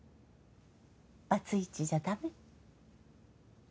バツイチじゃダメ？